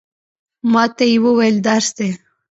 ما ته یې وویل، درس دی.